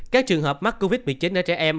các trường hợp mắc covid một mươi chín ở trẻ em